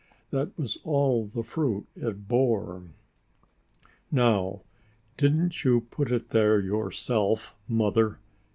That was all the fruit it bore. "Now, didn't you put it there yourself, Mother?"